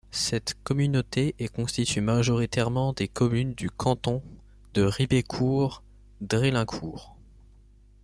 Cette communauté est constituée majoritairement des communes du canton de Ribécourt-Dreslincourt.